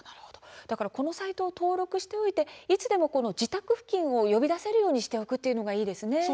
このサイトを登録しておいて、いつでも自宅付近を呼び出せるようにしておくとよいですね。